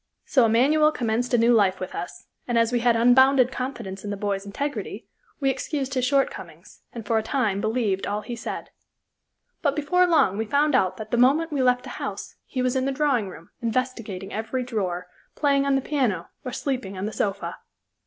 So "Immanuel" commenced a new life with us, and as we had unbounded confidence in the boy's integrity, we excused his shortcomings, and, for a time, believed all he said. But before long we found out that the moment we left the house he was in the drawing room, investigating every drawer, playing on the piano, or sleeping on the sofa.